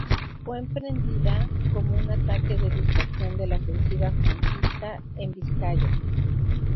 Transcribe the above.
Fue emprendida como un ataque de distracción de la Ofensiva franquista en Vizcaya.